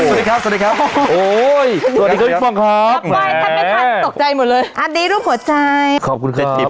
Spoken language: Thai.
สวัสดีครับโอ้ยสวัสดีครับพี่ป้องครับ